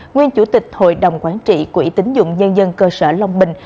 nguyên chủ tịch hội đồng quản trị quỹ tính dụng nhân dân cơ sở long bình